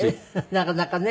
なかなかね。